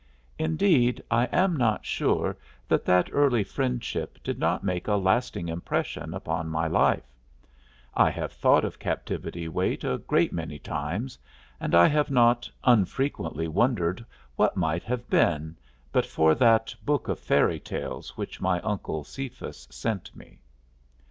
Indeed, I am not sure that that early friendship did not make a lasting impression upon my life; I have thought of Captivity Waite a great many times, and I have not unfrequently wondered what might have been but for that book of fairy tales which my Uncle Cephas sent me.